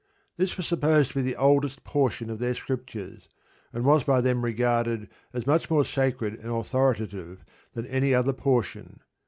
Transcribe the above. This was supposed to be the oldest portion of their Scriptures, and was by them regarded as much more sacred and authoritative than any other portion.